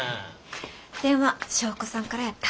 電話祥子さんからやった。